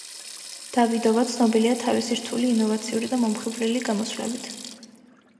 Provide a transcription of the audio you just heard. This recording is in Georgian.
დავიდოვა ცნობილია, თავისი რთული, ინოვაციური და მომხიბვლელი გამოსვლებით.